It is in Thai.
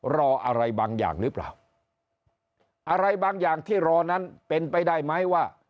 รออะไรบางอย่างหรือเปล่าอะไรบางอย่างที่รอนั้นเป็นไปได้ไหมว่า